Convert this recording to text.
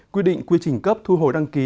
quy định quy trình cấp thu hồi đăng ký